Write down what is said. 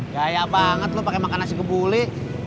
gaya banget lu pakai makan nasi kebuli